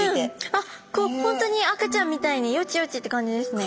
あっ本当に赤ちゃんみたいによちよちって感じですね。